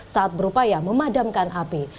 saat berupaya memadamkan api